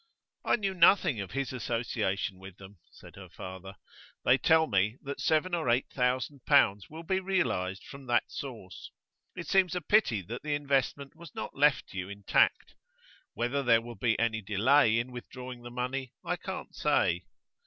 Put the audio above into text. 'I knew nothing of his association with them,' said her father. 'They tell me that seven or eight thousand pounds will be realised from that source; it seems a pity that the investment was not left to you intact. Whether there will be any delay in withdrawing the money I can't say.